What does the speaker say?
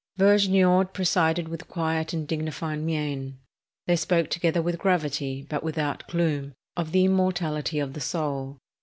Vergniaud presided with quiet and dignified mien. They spoke together with gravity, but without gloom, of the immortality of the soul.